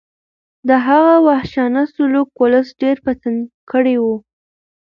د هغه وحشیانه سلوک ولس ډېر په تنګ کړی و.